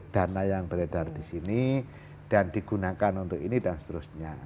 dana yang beredar di sini dan digunakan untuk ini dan seterusnya